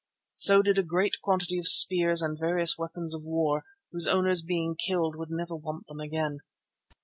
So did a great quantity of spears and various weapons of war, whose owners being killed would never want them again.